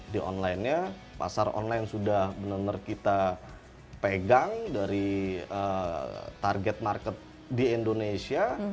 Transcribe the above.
di online nya pasar online sudah benar benar kita pegang dari target market di indonesia